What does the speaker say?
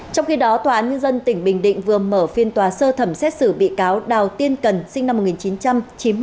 trong khi đó tòa án nhân dân tỉnh bình định vừa mở phiên tòa sơ thẩm xét xử bị cáo đào tiên cần sinh năm một nghìn chín trăm chín mươi ba